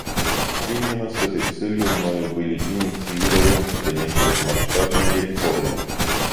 Именно с этой целью мною были инициированы в стране широкомасштабные реформы.